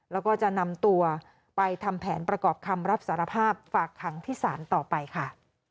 แล้วก็จะนำตัวไปทำแผนประกอบคำรับสารภาพฝากขังที่ศาลต่อไปค่ะ